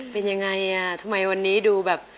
เป็นยังไงอ่ะทำไมวันนี้ดูแบบ